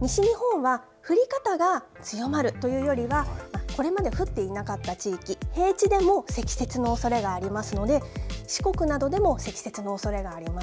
西日本は降り方が強まるというよりは、これまで降っていなかった地域、平地でも積雪のおそれがありますので、四国などでも積雪のおそれがあります。